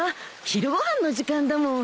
昼ご飯の時間だもん。